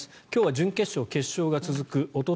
今日は準決勝、決勝が続く。